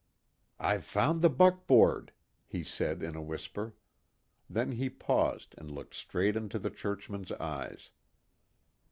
"I've found the buckboard," he said in a whisper. Then he paused and looked straight into the churchman's eyes.